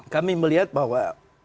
kami melihat bahwa